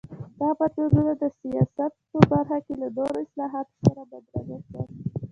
دا بدلونونه د سیاست په برخه کې له نورو اصلاحاتو سره بدرګه شول.